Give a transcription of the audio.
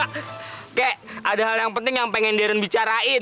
kayak ada hal yang penting yang pengen deren bicarain